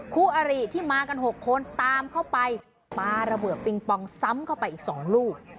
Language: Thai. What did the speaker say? ครูอารีที่มากันหกคนตามเข้าไปปลาระเบือบปริงปองซ้ำเข้าไปอีกสองลูก